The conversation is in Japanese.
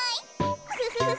ウフフフフ。